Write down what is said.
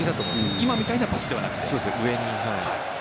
今みたいなパスではなくて？